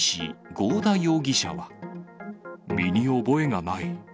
身に覚えがない。